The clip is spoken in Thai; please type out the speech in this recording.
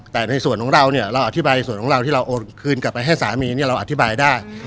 แต่ในส่วนของเราเนี่ยเราอธิบายส่วนของเราที่เราโอนคืนกลับไปให้สามีเนี่ยเราอธิบายได้